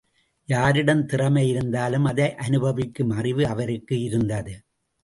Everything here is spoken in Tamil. யாரிடம் திறமை இருந்தாலும் அதை அனுபவிக்கும் அறிவு அவருக்கு இருந்தது.